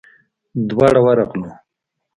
دواړه ورغلو.